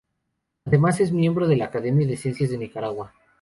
Además, es miembro de la Academia de Ciencias de Nicaragua.